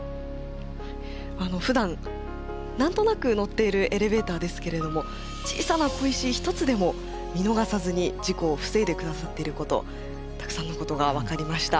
ふだん何となく乗っているエレベーターですけれども小さな小石１つでも見逃さずに事故を防いで下さっていることたくさんのことが分かりました。